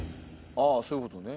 あぁそういうことね。